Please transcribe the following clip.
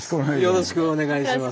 よろしくお願いします。